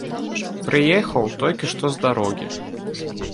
Прыехаў, толькі што з дарогі.